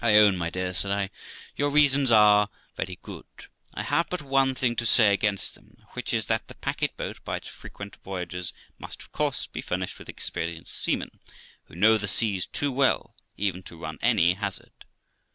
'I own, my dear', said I, 'your reasons are very good ; I have but one thing to say against them, which is, that the packet boat, by its frequent voyages, must of course be furnished with experienced seamen, who know the seas too well even to run any hazard.'